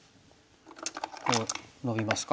こうノビますか？